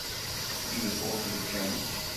These are forces of change.